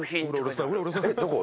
どこ？